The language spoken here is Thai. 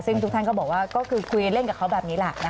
ซึ่งทุกท่านก็บอกกลุ่นเล่นแบบนี้แหละ